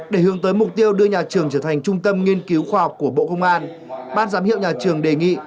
để hướng tới mục tiêu đưa nhà trường trở thành trung tâm nghiên cứu khoa học của bộ công an ban giám hiệu nhà trường đề nghị